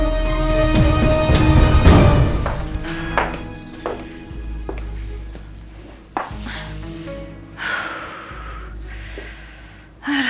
anak buah dia